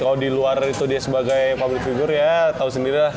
kalau di luar itu dia sebagai public figure ya tahu sendiri lah